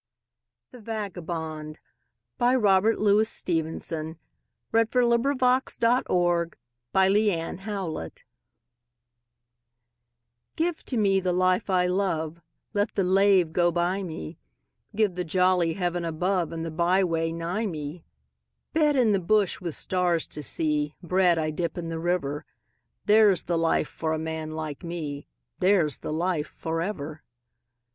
Other Verses by Robert Louis Stevenson ITHE VAGABOND (To an air of Schubert) GIVE to me the life I love, Let the lave go by me, Give the jolly heaven above And the byway nigh me. Bed in the bush with stars to see, Bread I dip in the river There's the life for a man like me, There's the life for ever.